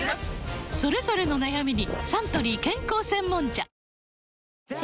それぞれの悩みにサントリー健康専門茶新